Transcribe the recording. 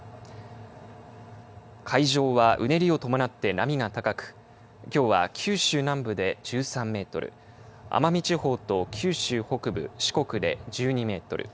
海上はうねりを伴って波が高くきょうは九州南部で１３メートル奄美地方と九州北部四国で１２メートル